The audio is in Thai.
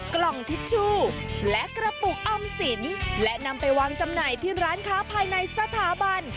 กล่องทิชชู่และกระปุกออมสินและนำไปวางจำหน่ายที่ร้านค้าภายในสถาบัน